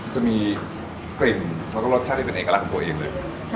จะมีกลิ่นแล้วก็รสชาติที่เป็นเอกลักษณ์ของตัวเองเลย